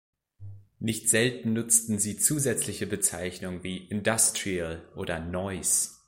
Nicht selten nutzen sie zusätzliche Bezeichnungen wie "Industrial" oder "Noise".